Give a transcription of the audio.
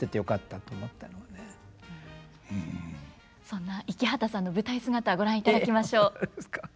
そんな池畑さんの舞台姿ご覧いただきましょう。